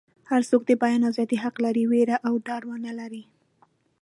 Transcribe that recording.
هر څوک د بیان ازادي حق لري ویره او ډار ونه لري.